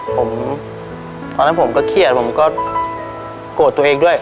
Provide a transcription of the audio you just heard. ผมตอนนั้นผมก็เครียดผมก็โกรธตัวเองด้วย